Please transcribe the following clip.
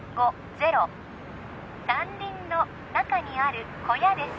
山林の中にある小屋です